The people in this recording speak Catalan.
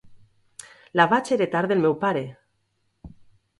La vaig heretar del meu pare.